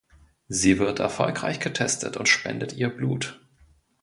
Sie wird erfolgreich getestet und spendet ihr Blut.